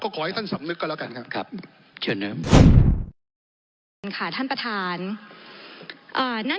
ก็ขอให้ท่านสำนึกกันแล้วกันครับ